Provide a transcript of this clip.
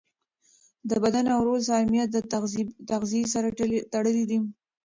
د بدن او روح سالمیت د تغذیې سره تړلی دی.